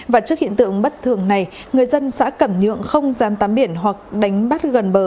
và trước hiện tượng bất thường này người dân xã cẩm nhượng không dám tắm biển hoặc đánh bắt gần bờ